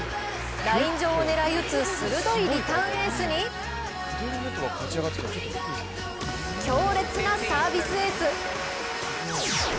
ライン上を狙い打つ鋭いリターンエースに強烈なサービスエース。